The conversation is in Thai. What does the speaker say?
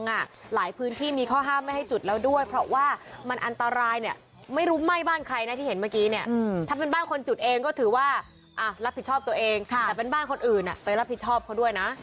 หลายพื้นที่มีข้อห้ามไม่ให้จุดแล้วด้วยเพราะว่ามันอันตรายเนี่ยไม่รู้ไหม้บ้านใครนะที่เห็นเมื่อกี้เนี่ยถ้าเป็นบ้านคนจุดเองก็ถือว่ารับผิดชอบตัวเองแต่เป็นบ้านคนอื่นไปรับผิดชอบเขาด้วยนะ